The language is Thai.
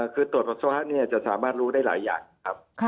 คือตรวจปัสสาวะจะสามารถรู้ได้หลายอย่างครับ